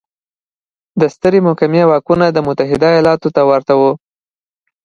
د سترې محکمې واکونه د متحده ایالتونو ته ورته وو.